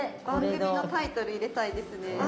番組のタイトル入れたいですね。